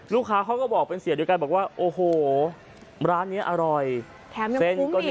ลูกค้าเขาก็บอกเป็นเสียด้วยกันบอกว่าโอ้โหร้านเนี้ยอร่อยแถมยังคุ้มอีก